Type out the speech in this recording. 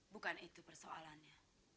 bukan itu persoalannya